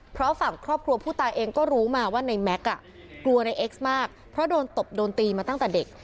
เพราะฝั่งครอบครัวผู้ตายเองก็รู้มาว่าในแม็กซ์กลัวในเอ็กซ์มากเพราะโดนตบโดนตีมาตั้งแต่เด็ก